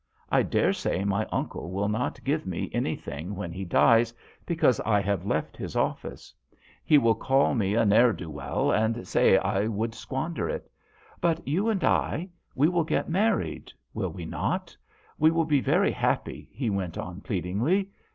I dare say my uncle will not give me any thing when he dies because I have left his office. He will call JOHN SHERMAN. 159 me a ne'er do weel, and say I would squander it. But you and I we will get married, will we not ? We will be very happy," he went on, pleadingly.